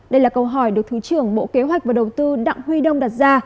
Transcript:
đây là câu hỏi được thứ trưởng bộ kế hoạch và đầu tư đặng huy đông đặt ra